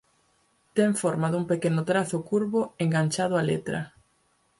Ten forma dun pequeno trazo curvo enganchado á letra.